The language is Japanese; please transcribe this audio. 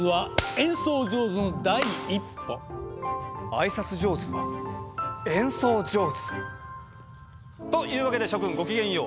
あいさつ上手は演奏上手？というわけで諸君ご機嫌よう。